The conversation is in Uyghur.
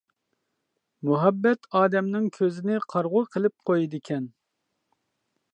مۇھەببەت ئادەمنىڭ كۆزىنى قارىغۇ قىلىپ قويىدىكەن.